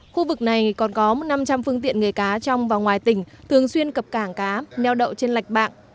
khu vực này còn có năm trăm linh phương tiện nghề cá trong và ngoài tỉnh thường xuyên cập cảng cá neo đậu trên lạch bạng